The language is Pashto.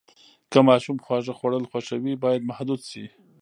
که ماشوم خواږه خوړل خوښوي، باید محدود شي.